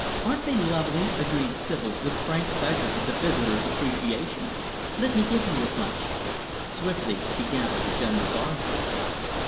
"Aren't they lovely," agreed Sibyl, with frank pleasure at the visitor's appreciation. "Let me give you a bunch." Swiftly she gathered a generous armful.